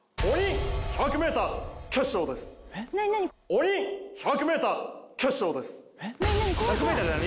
鬼１００ｍ決勝です何何？